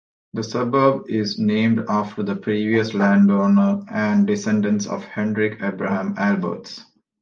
The suburb is named after the previous landowner and descendants of Hendrick Abraham Alberts.